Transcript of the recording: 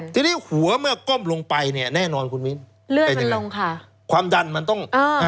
ทีนี้หัวเมื่อก้มลงไปแน่นอนคุณวินเลือดมันลงค่ะความดันมันต้อง